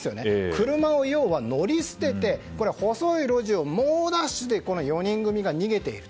車を乗り捨てて細い路地を猛ダッシュで４人組が逃げている。